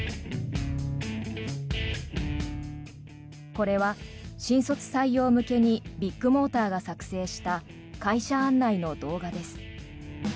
これは新卒採用向けにビッグモーターが作成した会社案内の動画です。